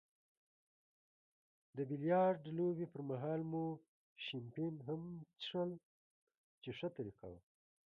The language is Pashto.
د بیلیارډ لوبې پرمهال مو شیمپین هم څیښل چې ښه طریقه وه.